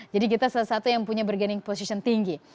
jadi kita salah satu yang punya bergening posisi tinggi